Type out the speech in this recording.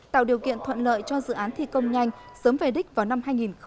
tạo điều kiện thuận lợi cho dự án thi công nhanh sớm về đích vào năm hai nghìn hai mươi